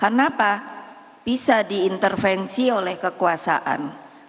kenapa bisa diintervensi oleh kekuasaan